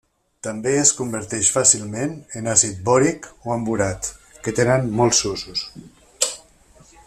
També es converteix fàcilment en àcid bòric o en borat, que tenen molts usos.